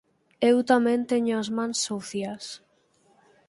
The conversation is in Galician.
Eu tamén teño as mans sucias.